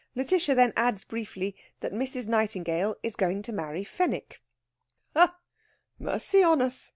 Lætitia then adds briefly that Mrs. Nightingale is going to marry Fenwick. "Ha! Mercy on us!"